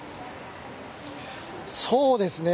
そうですね。